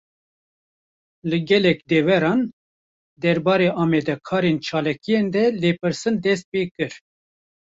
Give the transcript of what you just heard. Li gelek deveran, derbarê amadekarên çalakiyan de lêpirsîn dest pê kir